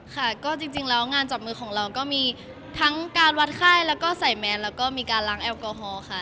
ค่ะก็จริงแล้วงานจับมือของเราก็มีทั้งการวัดไข้แล้วก็ใส่แมสแล้วก็มีการล้างแอลกอฮอล์ค่ะ